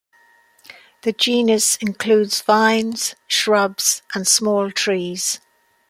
The genus includes vines, shrubs, and small trees.